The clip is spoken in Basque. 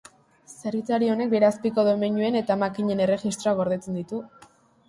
Zerbitzari honek bere azpiko domeinuen eta makinen erregistroak gordetzen ditu.